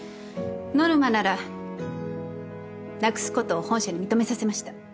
ノルマならなくすことを本社に認めさせました。